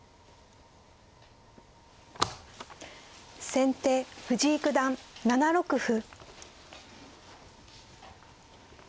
先手藤井九段７六歩。